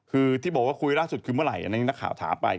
คือที่บอกว่าคุยล่าสุดคือเมื่อไหร่อันนี้นักข่าวถามไป